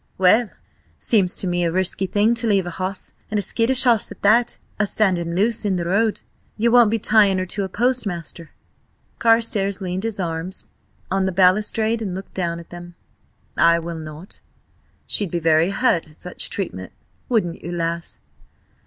"Well! Seems to me a risky thing to leave a hoss–and a skittish hoss at that–a standing loose in the road. Ye won't be tying her to a post, master?" Carstares leaned his arms on the balustrade and looked down at them. "I will not. She'd be very hurt at such treatment, wouldn't you, lass?"